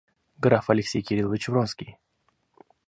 Граф Алексей Кириллович Вронский.